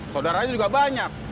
saudaranya juga banyak